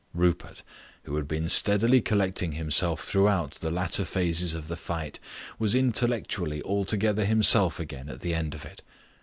Rupert, who had been steadily collecting himself throughout the latter phases of the fight, was intellectually altogether himself again at the end of it.